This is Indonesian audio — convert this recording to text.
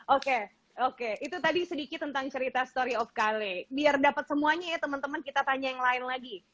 oke oke itu tadi sedikit tentang cerita story of cale biar dapat semuanya ya teman teman kita tanya yang lain lagi